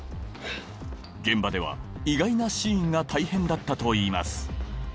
現場では意外なシーンが大変だったといいます